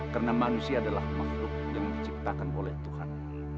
karena manusia adalah makhluk yang diciptakan oleh tuhan